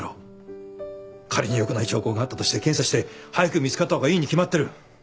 仮によくない兆候があったとして検査して早く見つかった方がいいに決まってる。